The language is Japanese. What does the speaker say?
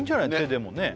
手でもね